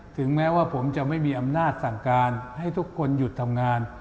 ถึงแม้ว่าผมจะไม่มีอำนาจสั่งการให้ทุกคนหยุดทำงาน